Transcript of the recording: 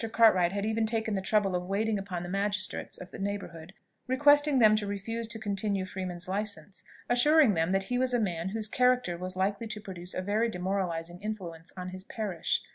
Cartwright had even taken the trouble of waiting upon the magistrates of the neighbourhood, requesting them to refuse to continue Freeman's licence, assuring them that he was a man whose character was likely to produce a very demoralising influence on his parish.